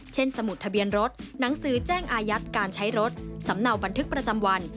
สมุดทะเบียนรถหนังสือแจ้งอายัดการใช้รถสำเนาบันทึกประจำวัน